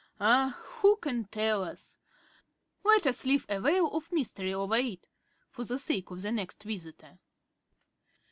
Ah! who can tell us? Let us leave a veil of mystery over it ... for the sake of the next visitor.